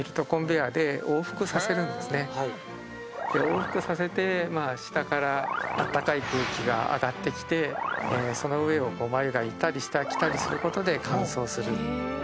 往復させて下からあったかい空気が上がってきてその上をこう繭が行ったり来たりすることで乾燥する。